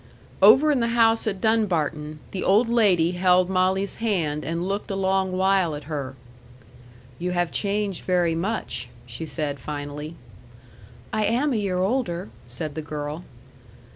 Over in the house at Dunbarton, the old lady held Molly's hand and looked a long while at her. "You have changed very much," she said finally. "I am a year older," said the girl.